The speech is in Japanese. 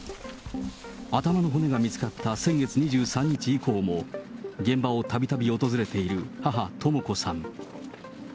頭の骨が見つかった先月２３日以降も、現場をたびたび訪れている母、とも子さん。